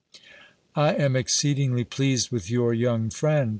I am exceedingly pleased with your young friend.